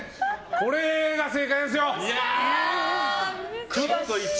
これが正解ですよ！